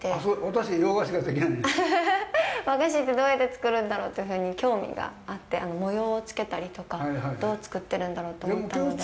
和菓子ってどうやって作るんだろうというふうに興味があって、模様をつけたりとかどう作ってるんだろうと思ったので。